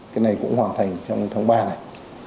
cái này cũng hoàn thành trong tháng ba này